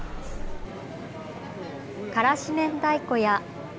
からしめんたいこや。